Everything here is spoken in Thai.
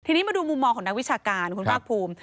ทีนี้มาดูมุมมองของนักวิชาการคุณภาคภูมิ